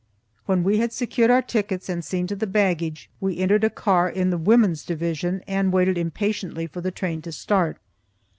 When we had secured our tickets and seen to the baggage we entered a car in the women's division and waited impatiently for the train to start.